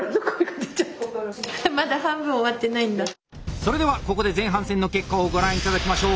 それではここで前半戦の結果をご覧頂きましょう。